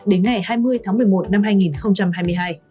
đến ngày hai mươi tháng một mươi một năm hai nghìn hai mươi hai